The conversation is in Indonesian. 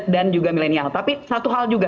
dan juga milenial tapi satu hal juga